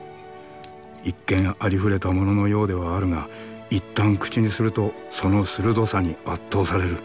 一見ありふれたもののようではあるがいったん口にするとその鋭さに圧倒される。